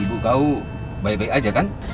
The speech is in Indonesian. ibu kau baik baik aja kan